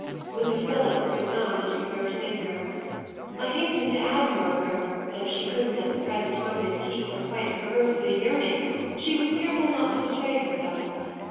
with a fillip of her thumb and her third finger. I hasten to add, moreover, that if she couldn't at the present moment keep from quite perversely yearning she was careful not to betray herself.